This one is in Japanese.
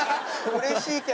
うれしいけども？